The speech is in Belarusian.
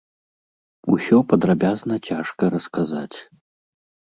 Усё падрабязна цяжка расказаць.